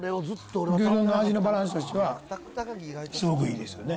牛丼の味のバランスとしては、一番すごくいいですよね。